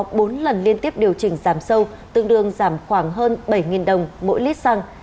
giá xăng dầu đã có bốn lần liên tiếp điều chỉnh giảm sâu tương đương giảm khoảng hơn bảy đồng mỗi lít xăng